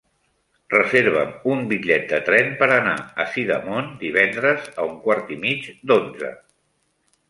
Reserva'm un bitllet de tren per anar a Sidamon divendres a un quart i mig d'onze.